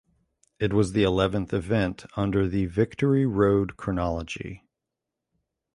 It was the eleventh event under the Victory Road chronology.